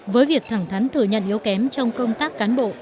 với việc thẳng thắn thừa nhận yếu kém trong công tác cán bộ